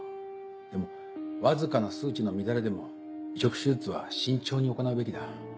でもわずかな数値の乱れでも移植手術は慎重に行うべきだ。